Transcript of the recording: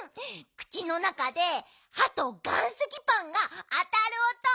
くちのなかではと岩石パンがあたるおと。